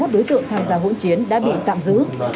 hai mươi đối tượng tham gia hỗn chiến đã bị tạm giữ